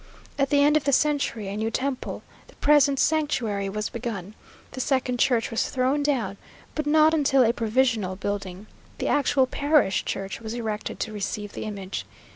At the end of the century a new temple, the present sanctuary, was begun; the second church was thrown down, but not until a provisional building (the actual parish church) was erected to receive the image.